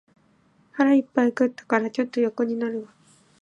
腹いっぱい食ったから、ちょっと横になるわ